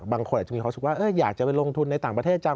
บางคนอาจจะมีความรู้สึกว่าอยากจะไปลงทุนในต่างประเทศจัง